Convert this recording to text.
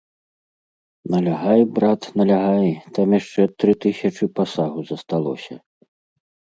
Налягай, брат, налягай, там яшчэ тры тысячы пасагу засталося.